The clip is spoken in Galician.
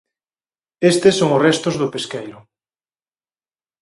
Estes son os restos do pesqueiro.